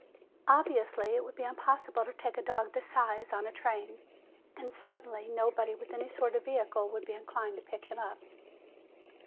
Obviously, it would be impossible to take a dog this size on a train, and certainly nobody with any sort of vehicle would be inclined to pick him up.